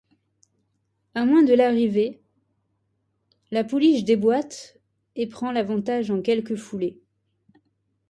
À moins de de l'arrivée, la pouliche déboîte et prend l'avantage en quelques foulées.